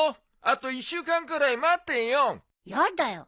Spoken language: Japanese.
あと１週間くらい待てよ。